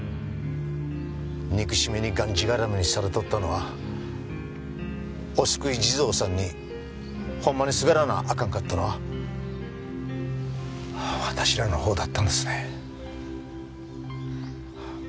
憎しみにがんじがらめにされとったのはお救い地蔵さんにほんまにすがらなあかんかったのは私らの方だったんですね。